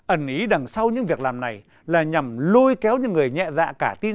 ẩn ý đằng sau những việc làm này là nhằm lôi kéo những người nhẹ dạ cả tin